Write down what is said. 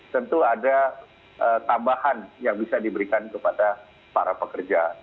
tentu ada tambahan yang bisa diberikan kepada para pekerja